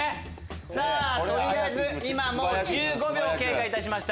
さぁ取りあえず今１５秒経過いたしました。